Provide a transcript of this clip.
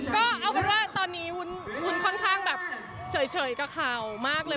ก็เอาไปว่าตอนนี้อยุ้นค่อนข้างเฉยก็ขาวมากเลย